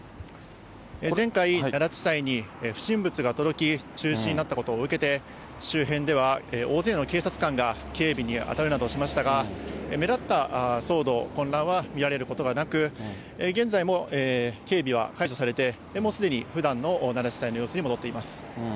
前回、奈良地裁に不審物が届き、中止になったことを受けて、周辺では大勢の警察官が警備に当たるなどしましたが、目立った騒動、混乱は見られることはなく、現在も警備は解除されて、もうすでにふだんの奈良地裁の様子に戻っています。